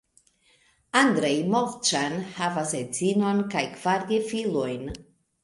Andrej Movĉan havas edzinon kaj kvar gefilojn.